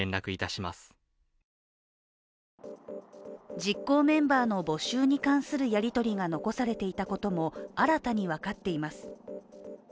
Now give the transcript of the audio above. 実行メンバーの募集に関するやり取りが残されていたことも新たに分かっています。